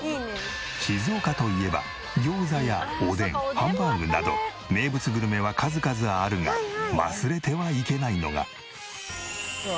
静岡といえば餃子やおでんハンバーグなど名物グルメは数々あるが忘れてはいけないのが。